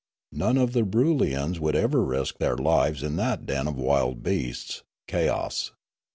None of the Broolyians would ever risk their lives in that den of wild beasts, Kayoss.